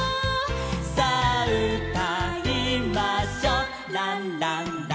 「さあうたいましょうランランラン」